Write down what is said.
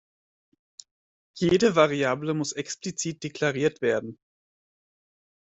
Jede Variable muss explizit deklariert werden.